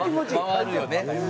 回るよね。